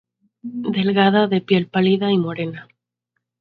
Delgada, de piel pálida y morena.